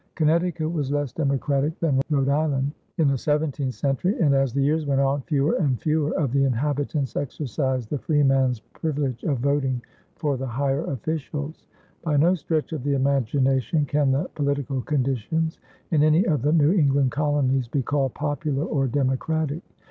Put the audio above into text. Connecticut was less democratic than Rhode Island in the seventeenth century and, as the years went on, fewer and fewer of the inhabitants exercised the freeman's privilege of voting for the higher officials. By no stretch of the imagination can the political conditions in any of the New England colonies be called popular or democratic.